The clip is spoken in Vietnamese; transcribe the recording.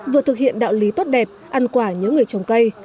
vừa thực hiện đạo lý tốt đẹp ăn quả nhớ người trồng cây